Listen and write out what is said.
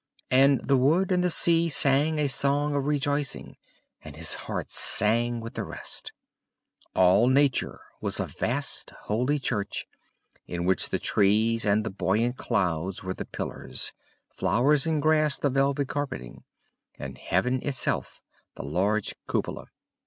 And the wood and the sea sang a song of rejoicing, and his heart sang with the rest: all nature was a vast holy church, in which the trees and the buoyant clouds were the pillars, flowers and grass the velvet carpeting, and heaven itself the large cupola.